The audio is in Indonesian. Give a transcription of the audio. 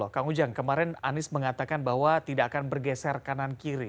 kang ujang kemarin anies mengatakan bahwa tidak akan bergeser kanan kiri